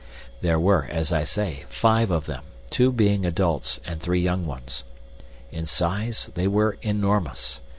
There were, as I say, five of them, two being adults and three young ones. In size they were enormous.